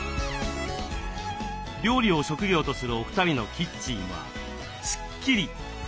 料理を職業とするお二人のキッチンはスッキリ！